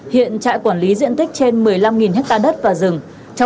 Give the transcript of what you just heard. hiện trại quản lý diện tích trên một mươi năm ha đất và rừng